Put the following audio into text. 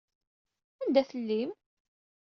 Anda tellim?